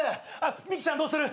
ミキちゃんどうする？